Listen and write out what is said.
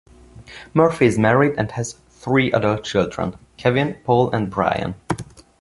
Murphy is married and has three adult children: Kevin, Paul, and Brian.